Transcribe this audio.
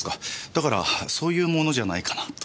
だからそういうものじゃないかなと。